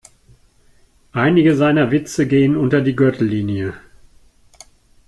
Einige seiner Witze gehen unter die Gürtellinie.